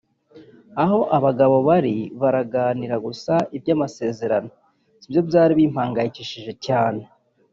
Aho abagabo bari baraganira gusa iby’amasezerano sibyo byari bimpamgayikishije cyane